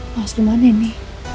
mas dimana ini